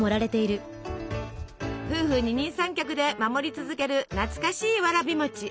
夫婦二人三脚で守り続ける懐かしいわらび餅。